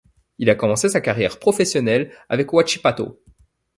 Il a commencé sa carrière professionnelle avec Huachipato.